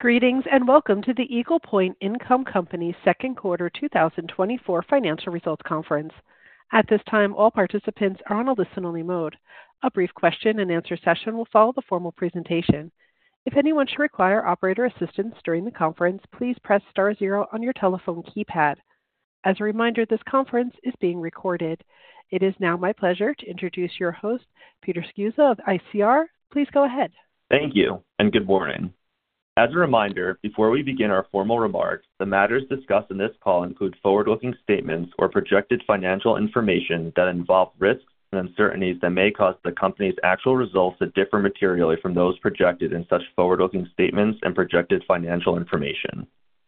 Greetings, and welcome to the Eagle Point Income Company second quarter 2024 financial results Conference. At this time, all participants are on a listen-only mode. A brief question-and-answer session will follow the formal presentation. If anyone should require operator assistance during the conference, please press star zero on your telephone keypad. As a reminder, this conference is being recorded. It is now my pleasure to introduce your host, Peter Sceusa of ICR. Please go ahead. Thank you, and good morning. As a reminder, before we begin our formal remarks, the matters discussed in this call include forward-looking statements or projected financial information that involve risks and uncertainties that may cause the company's actual results to differ materially from those projected in such forward-looking statements and projected financial information.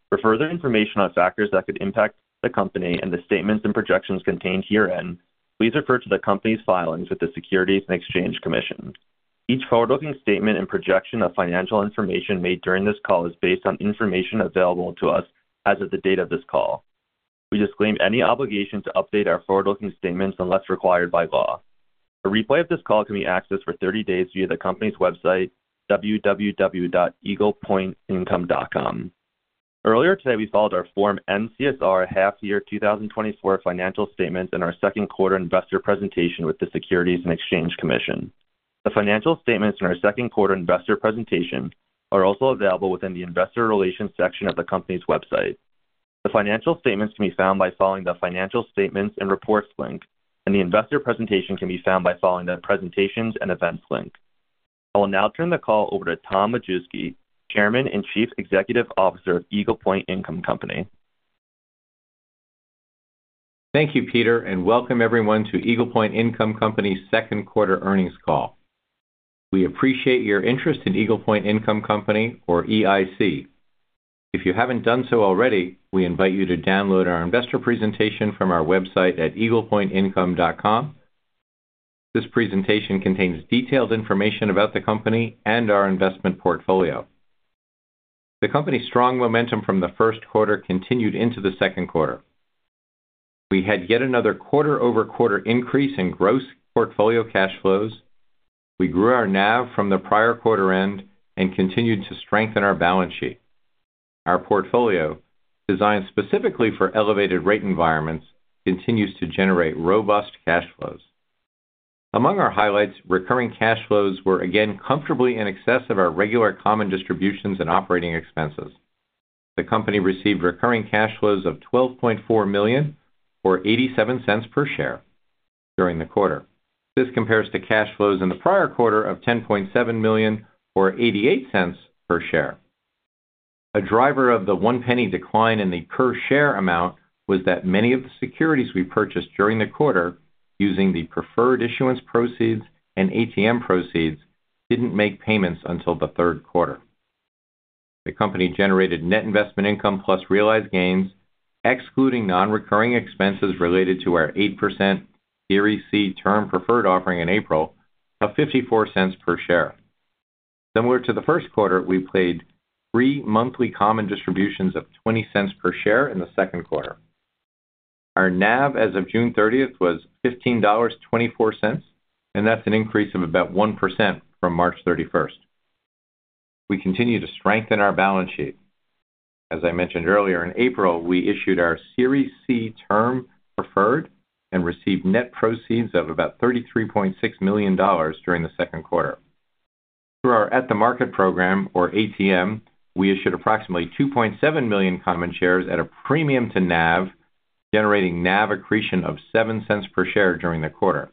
For further information on factors that could impact the company and the statements and projections contained herein, please refer to the company's filings with the Securities and Exchange Commission. Each forward-looking statement and projection of financial information made during this call is based on information available to us as of the date of this call. We disclaim any obligation to update our forward-looking statements unless required by law. A replay of this call can be accessed for 30 days via the company's website, www.eaglepointincome.com. Earlier today, we filed our Form N-CSR half year 2024 financial statements and our second quarter investor presentation with the Securities and Exchange Commission. The financial statements in our second quarter investor presentation are also available within the investor relations section of the company's website. The financial statements can be found by following the Financial Statements and Reports link, and the investor presentation can be found by following the Presentations and Events link. I will now turn the call over to Tom Majewski, Chairman and Chief Executive Officer of Eagle Point Income Company. Thank you, Peter, and welcome everyone to Eagle Point Income Company's second quarter earnings call. We appreciate your interest in Eagle Point Income Company or EIC. If you haven't done so already, we invite you to download our investor presentation from our website at eaglepointincome.com. This presentation contains detailed information about the company and our investment portfolio. The company's strong momentum from the first quarter continued into the second quarter. We had yet another quarter-over-quarter increase in gross portfolio cash flows. We grew our NAV from the prior quarter end and continued to strengthen our balance sheet. Our portfolio, designed specifically for elevated rate environments, continues to generate robust cash flows. Among our highlights, recurring cash flows were again comfortably in excess of our regular common distributions and operating expenses. The company received recurring cash flows of $12.4 million, or $0.87 per share, during the quarter. This compares to cash flows in the prior quarter of $10.7 million, or $0.88 per share. A driver of the $0.01 decline in the per share amount was that many of the securities we purchased during the quarter, using the preferred issuance proceeds and ATM proceeds, didn't make payments until the third quarter. The company generated net investment income plus realized gains, excluding non-recurring expenses related to our 8% Series C Term Preferred offering in April, of $0.54 per share. Similar to the first quarter, we paid 3 monthly common distributions of $0.20 per share in the second quarter. Our NAV as of June 30 was $15.24, and that's an increase of about 1% from March 31. We continue to strengthen our balance sheet. As I mentioned earlier, in April, we issued our Series C Term Preferred and received net proceeds of about $33.6 million during the second quarter. Through our At-the-Market program, or ATM, we issued approximately 2.7 million common shares at a premium to NAV, generating NAV accretion of $0.07 per share during the quarter.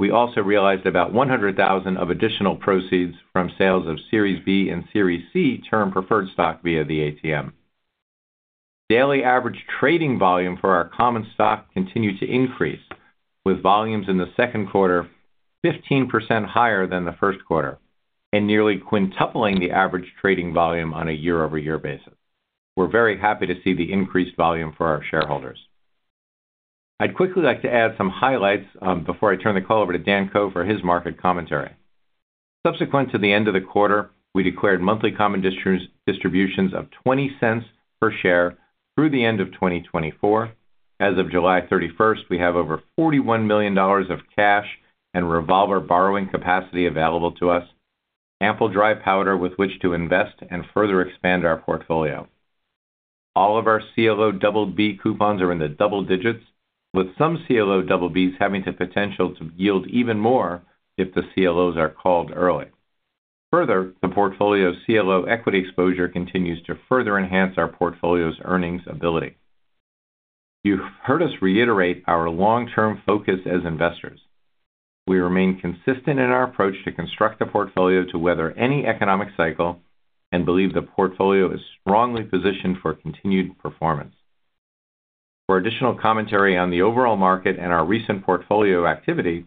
We also realized about $100,000 of additional proceeds from sales of Series B and Series C Term Preferred Stock via the ATM. Daily average trading volume for our common stock continued to increase, with volumes in the second quarter 15% higher than the first quarter and nearly quintupling the average trading volume on a year-over-year basis. We're very happy to see the increased volume for our shareholders. I'd quickly like to add some highlights, before I turn the call over to Dan Ko for his market commentary. Subsequent to the end of the quarter, we declared monthly common distributions of $0.20 per share through the end of 2024. As of July 31, we have over $41 million of cash and revolver borrowing capacity available to us, ample dry powder with which to invest and further expand our portfolio. All of our CLO BB coupons are in the double digits, with some CLO BBs having the potential to yield even more if the CLOs are called early. Further, the portfolio's CLO equity exposure continues to further enhance our portfolio's earnings ability. You've heard us reiterate our long-term focus as investors. We remain consistent in our approach to construct a portfolio to weather any economic cycle and believe the portfolio is strongly positioned for continued performance. For additional commentary on the overall market and our recent portfolio activity,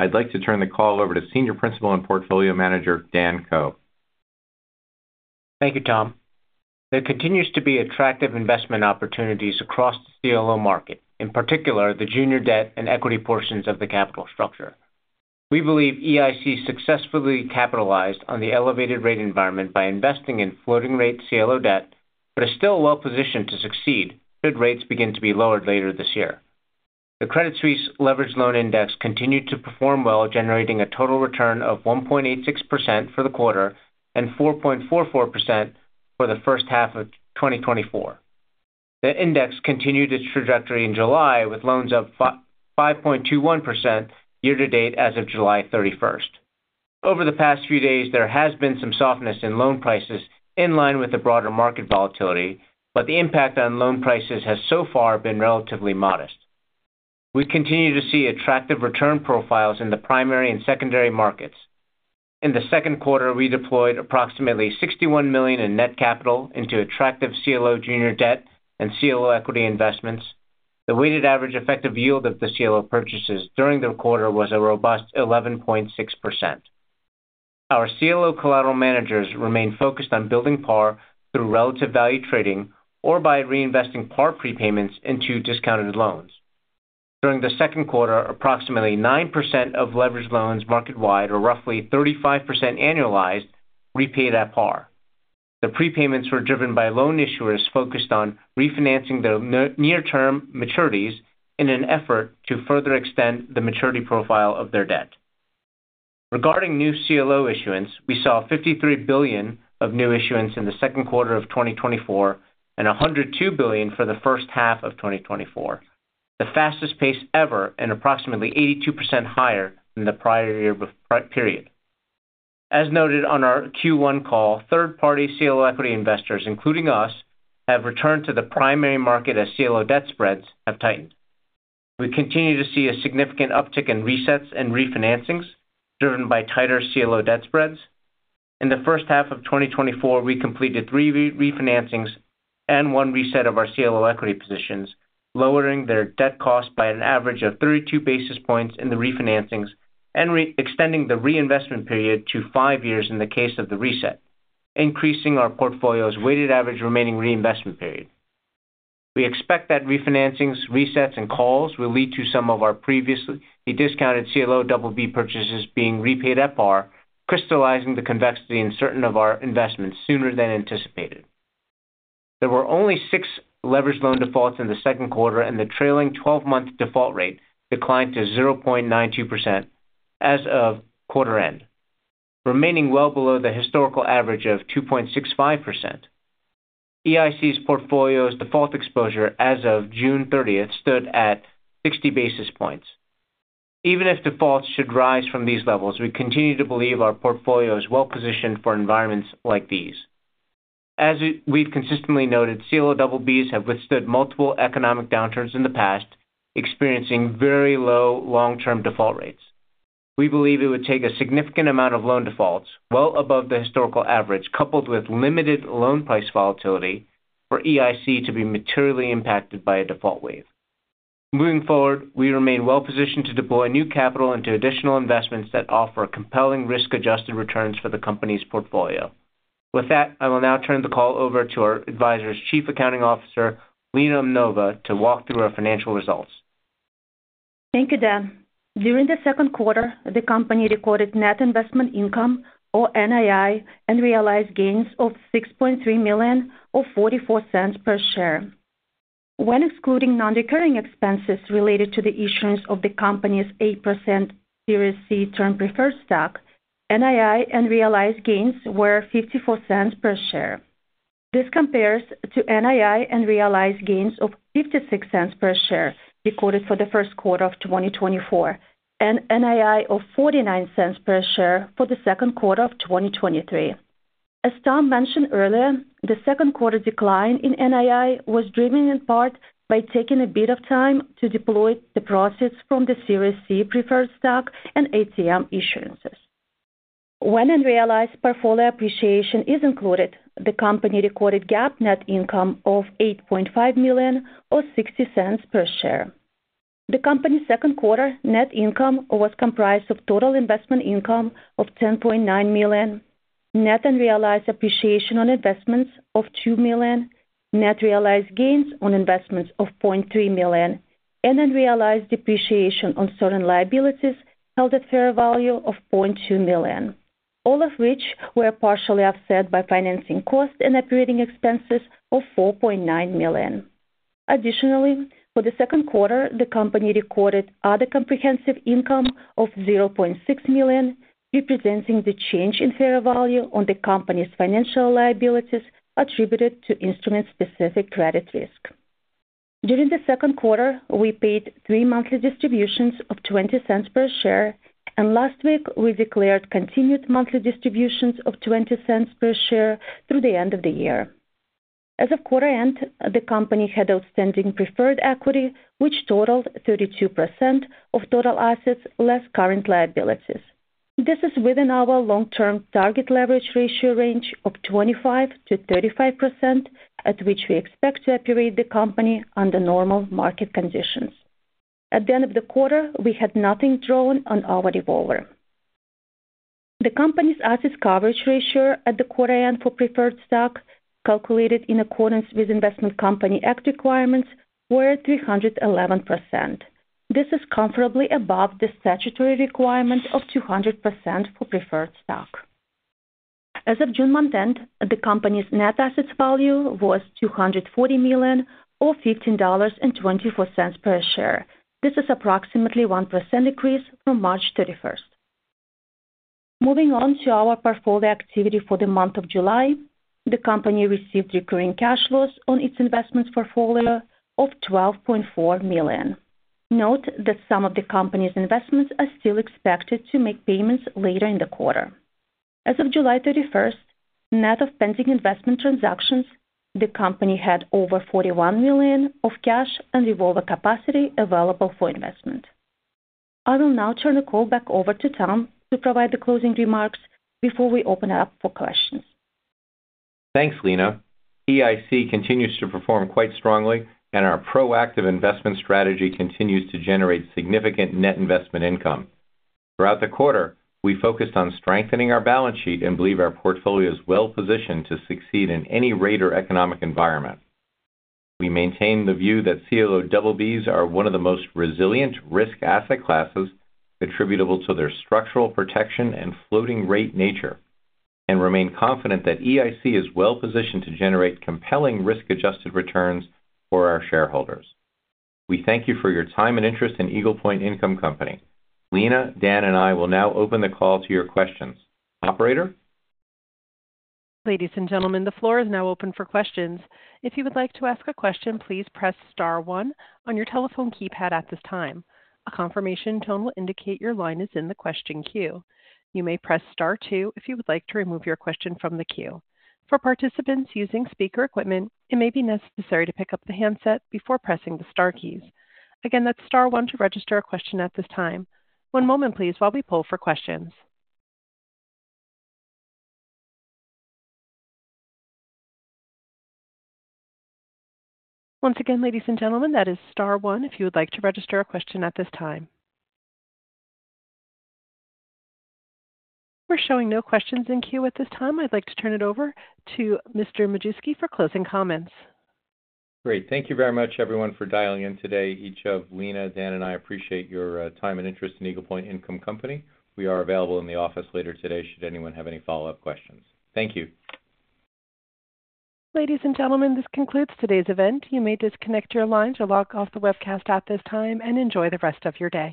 I'd like to turn the call over to Senior Principal and Portfolio Manager, Dan Ko. Thank you, Tom. There continues to be attractive investment opportunities across the CLO market, in particular, the junior debt and equity portions of the capital structure. We believe EIC successfully capitalized on the elevated rate environment by investing in floating rate CLO debt, but is still well positioned to succeed should rates begin to be lowered later this year. The Credit Suisse Leveraged Loan Index continued to perform well, generating a total return of 1.86% for the quarter and 4.44% for the first half of 2024. The index continued its trajectory in July, with loans up five point two one percent year to date as of July 31st. Over the past few days, there has been some softness in loan prices in line with the broader market volatility, but the impact on loan prices has so far been relatively modest. We continue to see attractive return profiles in the primary and secondary markets. In the second quarter, we deployed approximately $61 million in net capital into attractive CLO junior debt and CLO equity investments. The weighted average effective yield of the CLO purchases during the quarter was a robust 11.6%. Our CLO collateral managers remain focused on building par through relative value trading or by reinvesting par prepayments into discounted loans. During the second quarter, approximately 9% of leveraged loans market-wide, or roughly 35% annualized, repaid at par. The prepayments were driven by loan issuers focused on refinancing their near-term maturities in an effort to further extend the maturity profile of their debt. Regarding new CLO issuance, we saw $53 billion of new issuance in the second quarter of 2024 and $102 billion for the first half of 2024, the fastest pace ever, and approximately 82% higher than the prior year period. As noted on our Q1 call, third-party CLO equity investors, including us, have returned to the primary market as CLO debt spreads have tightened. We continue to see a significant uptick in resets and refinancings, driven by tighter CLO debt spreads. In the first half of 2024, we completed 3 refinancings and 1 reset of our CLO equity positions, lowering their debt cost by an average of 32 basis points in the refinancings and extending the reinvestment period to 5 years in the case of the reset, increasing our portfolio's weighted average remaining reinvestment period. We expect that refinancings, resets, and calls will lead to some of our previously discounted CLO BB purchases being repaid at par, crystallizing the convexity in certain of our investments sooner than anticipated. There were only 6 leveraged loan defaults in the second quarter, and the trailing twelve-month default rate declined to 0.92% as of quarter end, remaining well below the historical average of 2.65%. EIC's portfolio's default exposure as of June 30 stood at 60 basis points. Even if defaults should rise from these levels, we continue to believe our portfolio is well positioned for environments like these. As we've consistently noted, CLO BBs have withstood multiple economic downturns in the past, experiencing very low long-term default rates. We believe it would take a significant amount of loan defaults, well above the historical average, coupled with limited loan price volatility, for EIC to be materially impacted by a default wave. Moving forward, we remain well positioned to deploy new capital into additional investments that offer compelling risk-adjusted returns for the company's portfolio. With that, I will now turn the call over to our advisors, Chief Accounting Officer, Lena Umnova, to walk through our financial results. Thank you, Dan. During the second quarter, the company recorded net investment income, or NII, and realized gains of $6.3 million or $0.44 per share. When excluding non-recurring expenses related to the issuance of the company's 8% Series C Term Preferred Stock, NII and realized gains were $0.54 per share. This compares to NII and realized gains of $0.56 per share recorded for the first quarter of 2024, and NII of $0.49 per share for the second quarter of 2023. As Tom mentioned earlier, the second quarter decline in NII was driven in part by taking a bit of time to deploy the proceeds from the Series C preferred stock and ATM issuances. When unrealized portfolio appreciation is included, the company recorded GAAP net income of $8.5 million or $0.60 per share. The company's second quarter net income was comprised of total investment income of $10.9 million, net unrealized appreciation on investments of $2 million, net realized gains on investments of $0.3 million, and unrealized depreciation on certain liabilities held at fair value of $0.2 million, all of which were partially offset by financing costs and operating expenses of $4.9 million. Additionally, for the second quarter, the company recorded other comprehensive income of $0.6 million, representing the change in fair value on the company's financial liabilities attributed to instrument-specific credit risk. During the second quarter, we paid three monthly distributions of $0.20 per share, and last week we declared continued monthly distributions of $0.20 per share through the end of the year. As of quarter end, the company had outstanding preferred equity, which totaled 32% of total assets, less current liabilities. This is within our long-term target leverage ratio range of 25%-35%, at which we expect to operate the company under normal market conditions. At the end of the quarter, we had nothing drawn on our revolver. The company's asset coverage ratio at the quarter end for preferred stock, calculated in accordance with Investment Company Act requirements, were at 311%. This is comfortably above the statutory requirement of 200% for preferred stock. As of June month-end, the company's Net Asset Value was $240 million, or $15.24 per share. This is approximately 1% decrease from March thirty-first. Moving on to our portfolio activity for the month of July. The company received recurring cash flows on its investments portfolio of $12.4 million. Note that some of the company's investments are still expected to make payments later in the quarter. As of July 31st, net of pending investment transactions, the company had over $41 million of cash and revolver capacity available for investment. I will now turn the call back over to Tom to provide the closing remarks before we open it up for questions. Thanks, Lena. EIC continues to perform quite strongly, and our proactive investment strategy continues to generate significant net investment income. Throughout the quarter, we focused on strengthening our balance sheet and believe our portfolio is well-positioned to succeed in any rate or economic environment. We maintain the view that CLO double Bs are one of the most resilient risk asset classes, attributable to their structural protection and floating rate nature, and remain confident that EIC is well-positioned to generate compelling risk-adjusted returns for our shareholders. We thank you for your time and interest in Eagle Point Income Company. Lena, Dan, and I will now open the call to your questions. Operator? Ladies and gentlemen, the floor is now open for questions. If you would like to ask a question, please press star one on your telephone keypad at this time. A confirmation tone will indicate your line is in the question queue. You may press star two if you would like to remove your question from the queue. For participants using speaker equipment, it may be necessary to pick up the handset before pressing the star keys. Again, that's star one to register a question at this time. One moment please, while we poll for questions. Once again, ladies and gentlemen, that is star one if you would like to register a question at this time. We're showing no questions in queue at this time. I'd like to turn it over to Mr. Majewski for closing comments. Great. Thank you very much, everyone, for dialing in today. Each of Lena, Dan, and I appreciate your time and interest in Eagle Point Income Company. We are available in the office later today, should anyone have any follow-up questions. Thank you. Ladies and gentlemen, this concludes today's event. You may disconnect your lines or log off the webcast at this time, and enjoy the rest of your day.